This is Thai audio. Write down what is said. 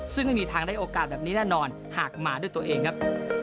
ซึ่งไม่มีทางได้โอกาสแบบนี้แน่นอนหากมาด้วยตัวเองครับ